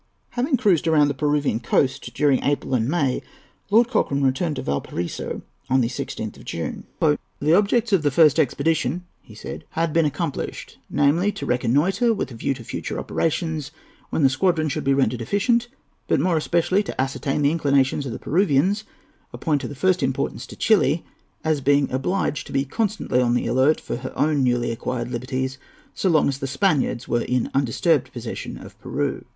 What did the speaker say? Having cruised about the Peruvian coast during April and May, Lord Cochrane returned to Valparaiso on the 16th of June. "The objects of the first expedition," he said, "had been fully accomplished, namely, to reconnoitre, with a view to future operations, when the squadron should be rendered efficient; but more especially to ascertain the inclinations of the Peruvians—a point of the first importance to Chili, as being obliged to be constantly on the alert for her own newly acquired liberties so long as the Spaniards were in undisturbed possession of Peru.